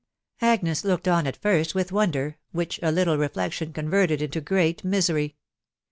Agnes looked on at first with wonder, which a little re flection converted into great misery.